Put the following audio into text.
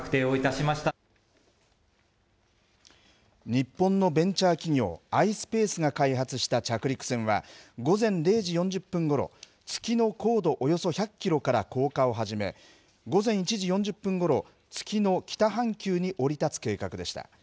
日本のベンチャー企業、ｉｓｐａｃｅが開発した着陸船は、午前０時４０分ごろ、月の高度およそ１００キロから降下を始め、午前１時４０分ごろ、月の北半球に降り立つ計画でした。